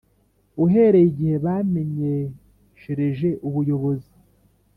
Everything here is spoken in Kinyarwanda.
uhereye igihe bamenyeshereje Ubuyobozi